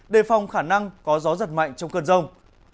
đề phòng khả năng có gió giật mạnh trong cơn rông